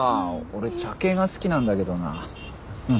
俺茶系が好きなんだけどな。